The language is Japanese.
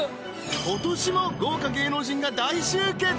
今年も豪華芸能人が大集結！